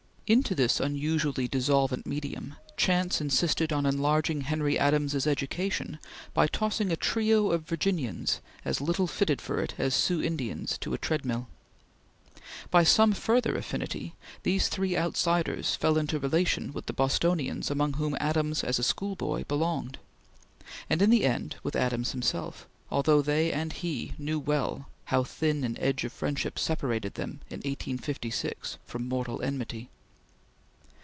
Into this unusually dissolvent medium, chance insisted on enlarging Henry Adams's education by tossing a trio of Virginians as little fitted for it as Sioux Indians to a treadmill. By some further affinity, these three outsiders fell into relation with the Bostonians among whom Adams as a schoolboy belonged, and in the end with Adams himself, although they and he knew well how thin an edge of friendship separated them in 1856 from mortal enmity.